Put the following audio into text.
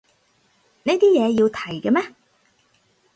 呢啲嘢要提嘅咩